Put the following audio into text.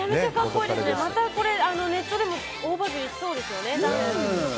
またネットでもおおバズりしそうですよね